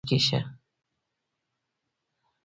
ویکټې واخله او بیا موسکی شه